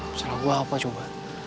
masalah gue apa coba